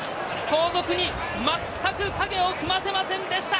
後続にまったく影を踏ませませんでした。